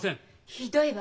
ひどいわ。